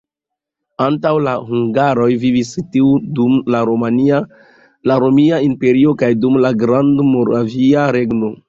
Antaŭ la hungaroj vivis tie dum la Romia Imperio kaj dum la Grandmoravia Regno.